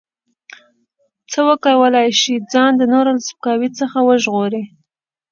څو وکولای شي ځان د نورو له سپکاوي څخه وژغوري.